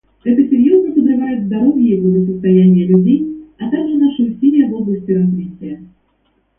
Это серьезно подрывает здоровье и благосостояние людей, а также наши усилия в области развития.